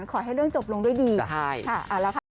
ก็หลังจากนั้นจะได้อัปเดตเพิ่มเติม